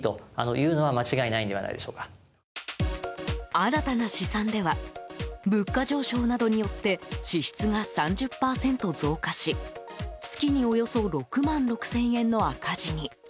新たな試算では物価上昇などによって支出が３０％増加し、月におよそ６万６０００円の赤字に。